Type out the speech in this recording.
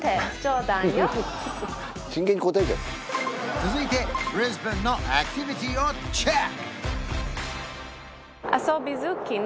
続いてブリスベンのアクティビティをチェック！